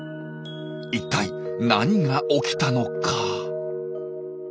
一体何が起きたのか？